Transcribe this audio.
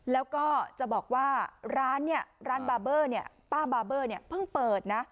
แล้วก็จะบอกว่าร้านป้าบาร์เบอร์เพิ่งเปิด